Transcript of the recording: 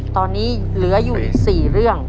ตอนนี้เหลืออยู่๔เรื่อง